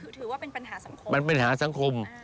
คือเถอะว่าเป็นปัญหาสังคม